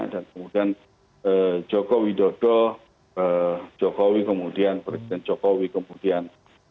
dan kemudian jokowi dodo jokowi kemudian presiden jokowi kemudian